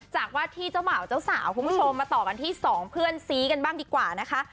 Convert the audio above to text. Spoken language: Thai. จากว่าที่เจ้าบ่าวเจ้าสาวคุณผู้ชมมาต่อกันที่สองเพื่อนซีกันบ้างดีกว่านะคะ